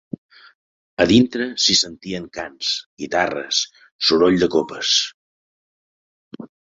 A dintre s'hi sentien cants, guitarres, soroll de copes